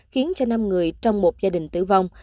khiến cho năm người trong một gia đình tử vong